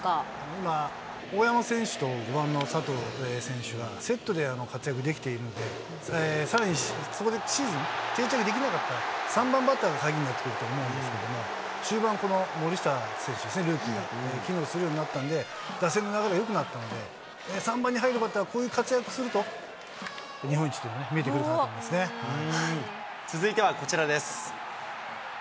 今、大山選手と４番の佐藤選手がセットで活躍できているので、さらに、そこでシーズンに定着できなかったら、３番バッターが鍵になってくると思うんですけど、終盤はこの森下選手ですね、ルーキーの、機能するようになったので、打線の流れがよくなったんで、３番に入るバッターがこういう活躍すると、日本一が見えてくると続いては、こちらです。